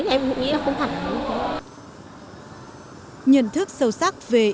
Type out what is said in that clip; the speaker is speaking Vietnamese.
em cũng nghĩ là không thật không có